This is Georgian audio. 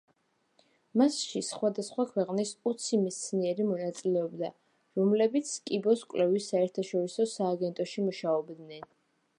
მასში სხვადასხვა ქვეყნის ოცი მეცნიერი მონაწილეობდა, რომლებიც კიბოს კვლევის საერთაშორისო სააგენტოში მუშაობდნენ.